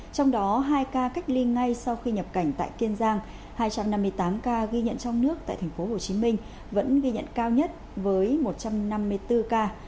trong đó hai ca cách ly ngay sau khi nhập cảnh tại kiên giang hai trăm năm mươi tám ca ghi nhận trong nước tại tp hcm vẫn ghi nhận cao nhất với một trăm năm mươi bốn ca